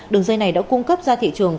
đường dây này đã cung cấp ra thị trường